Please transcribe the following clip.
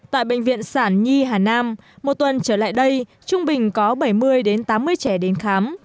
tại bệnh viện sản nhi hà nam một tuần trở lại đây trung bình có bảy mươi tám mươi trẻ đến khám